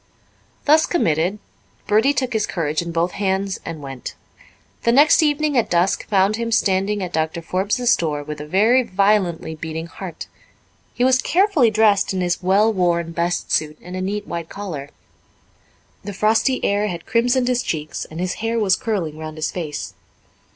Thus committed, Bertie took his courage in both hands and went. The next evening at dusk found him standing at Doctor Forbes's door with a very violently beating heart. He was carefully dressed in his well worn best suit and a neat white collar. The frosty air had crimsoned his cheeks and his hair was curling round his face.